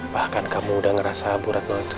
bahkan kamu udah ngerasa buratmu itu